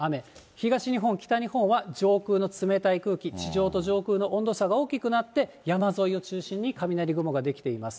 東日本、北日本は上空の冷たい空気、地上と上空の温度差が大きくなって、山沿いを中心に雷雲が出来ています。